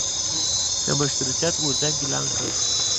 د مشروطیت غورځنګ اعلان کړ.